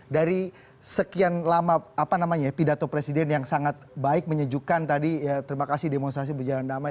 dari sekian lama apa namanya pidato presiden yang sangat baik menyejukkan tadi ya terima kasih demonstrasi berjalan damai